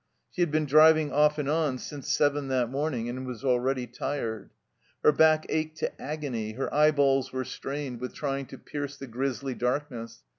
She had been driving off and on since seven that morning, and was already tired. Her back ached to agony, her eyeballs were strained with trying to pierce the grisly darkness.